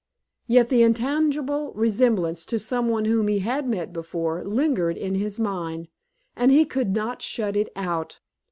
Yet the intangible resemblance to some one whom he had met before lingered in his mind, and he could not shut it out.